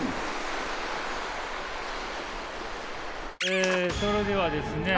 えそれではですね